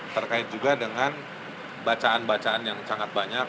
terkait juga dengan bacaan bacaan yang sangat banyak